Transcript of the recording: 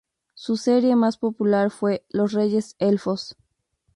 Su serie más popular fue "Los Reyes Elfos".